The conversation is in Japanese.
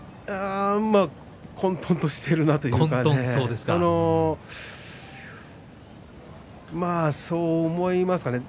混とんとしているなとそう思いますかね。